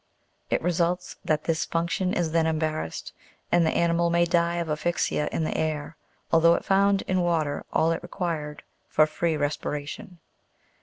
It results that this function is then embarrassed, and the animal may die of asphyxia in the air, although it found in water all it re quired for free respiration.